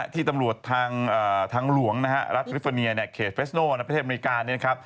ที่ตำรวจทางหลวงรัฐกริฟเฟอร์เนียเคสเฟสโนประเทศอเมริกา